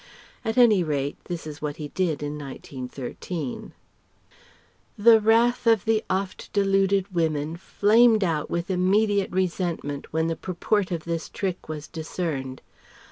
At any rate, this is what he did in 1913.] The wrath of the oft deluded women flamed out with immediate resentment when the purport of this trick was discerned.